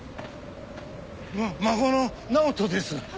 孫の直人です。